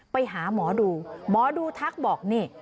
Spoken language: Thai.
ไปหาหมอดูหมอดูทักบอกนี่